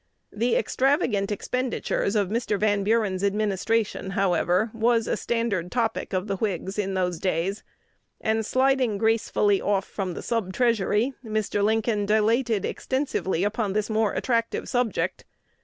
"The extravagant expenditures" of Mr. Van Buren's administration, however, was a standard topic of the Whigs in those days, and, sliding gracefully off from the Sub Treasury, Mr. Lincoln dilated extensively upon this more attractive subject.